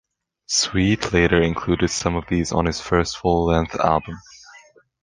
Sweet later included some of these on his first full-length album.